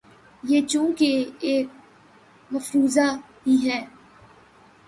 یہ چونکہ ایک مفروضہ ہی ہے۔